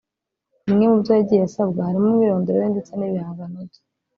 Bimwe mubyo yagiye asabwa harimo umwirondoro we ndetse n’ibihangano bye